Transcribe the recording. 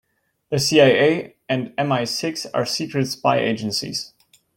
The CIA and MI-Six are secret spy agencies.